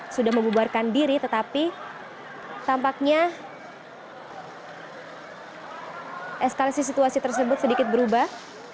sudah membubarkan diri tetapi tampaknya eskalasi situasi tersebut sedikit berubah